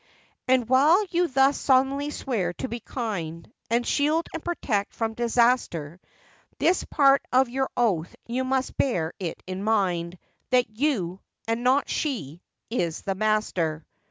And while you thus solemnly swear to be kind, And shield and protect from disaster, This part of your oath you must bear it in mind, That you, and not she, is the master.